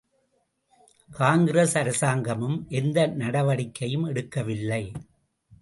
காங்கிரஸ் அரசாங்கமும் எந்த நடவடிக்கையும் எடுக்கவில்லை.